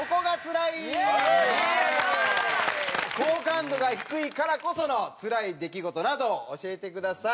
好感度が低いからこそのつらい出来事などを教えてください。